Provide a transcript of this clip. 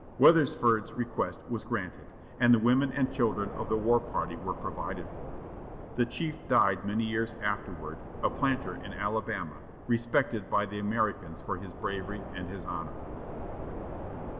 Weathersford's request was granted, and the women and children of the war party were provided for. The chief died many years afterward, a planter in Alabama, respected by the Americans for his bravery and his honor.